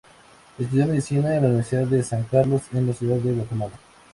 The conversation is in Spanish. Estudió medicina en la Universidad de San Carlos en la ciudad de Guatemala.